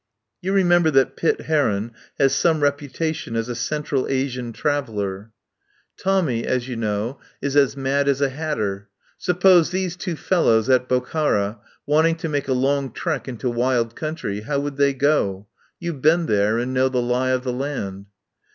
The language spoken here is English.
"You remember that Pitt Heron has some reputation as a Central Asian traveller. 92 THE TRAIL OF THE SUPER BUTLER Tommy, as you know, is as mad as a hatter. Suppose these two fellows at Bokhara, want ing to make a long trek into wild country — how would they go? You've been there, and know the lie of the land."